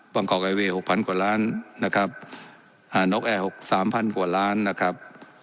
กอกไอเวยหกพันกว่าล้านนะครับอ่านกแอร์หกสามพันกว่าล้านนะครับ